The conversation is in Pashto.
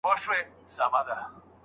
آیا ختیځ تر لوېدیځ ژر لمر ویني؟